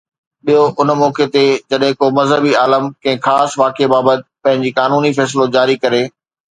ٻيو، ان موقعي تي جڏهن ڪو مذهبي عالم ڪنهن خاص واقعي بابت پنهنجو قانوني فيصلو جاري ڪري